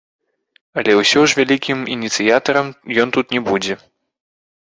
Але ўсё ж вялікім ініцыятарам ён тут не будзе.